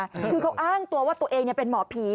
คือเขาอ้างตัวว่าตัวเองเป็นหมอผี